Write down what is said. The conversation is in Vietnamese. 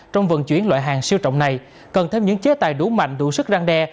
trong vận chuyển loại hàng siêu trọng này cần thêm những chế tài đủ mạnh đủ sức răng đe